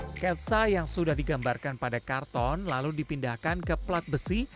sketsa yang sudah digambarkan pada karton lalu dipindahkan ke plat besi